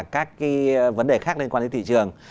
các vấn đề khác liên quan đến thị trường